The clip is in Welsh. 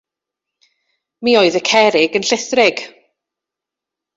Mi oedd y cerrig yn llithrig.